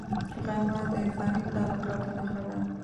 غرمه د انساني تعلقاتو نښانه ده